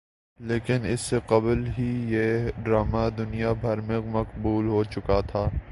لیکن اس سے قبل ہی یہ ڈرامہ دنیا بھر میں مقبول ہوچکا تھا